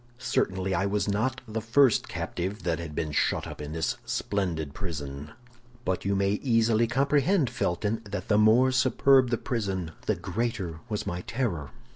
"Certainly I was not the first captive that had been shut up in this splendid prison; but you may easily comprehend, Felton, that the more superb the prison, the greater was my terror.